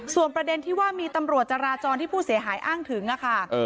ส่วนประเด็นที่ว่ามีตำรวจจราจรที่ผู้เสียหายอ้างถึงค่ะ